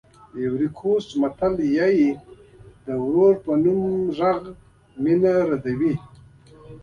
د ایوُري کوسټ متل وایي د ورور په نوم غږ مینه ردوي.